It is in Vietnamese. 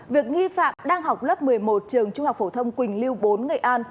việc nghi phạm đang học lớp một mươi một trường trung học phổ thông quỳnh lưu bốn nghệ an